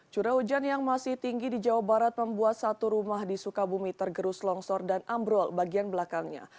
curah hujan yang masih tinggi di jawa barat membuat satu rumah di sukabumi tergerus longsor dan ambrol bagian belakangnya